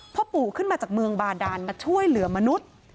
พ่อปู่ขึ้นมาจากเมืองบาดานมาช่วยเหลือมนุษย์